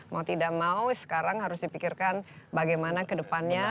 mau tidak mau sekarang harus dipikirkan bagaimana kedepannya